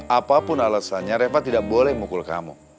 apapun alasannya reva tidak boleh mukul kamu